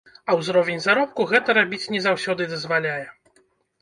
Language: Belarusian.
А ўзровень заробку гэта рабіць не заўсёды дазваляе.